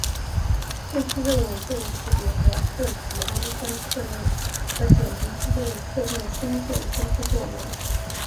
最初认为这种识别主要涉及氨基酸侧链和碱基之间的特定氢键相互作用。